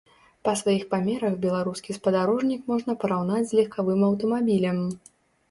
Па сваіх памерах беларускі спадарожнік можна параўнаць з легкавым аўтамабілем.